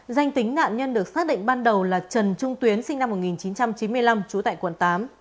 danh tính nạn nhân được xác định ban đầu là trần trung tuyến sinh năm một nghìn chín trăm chín mươi năm trú tại quận tám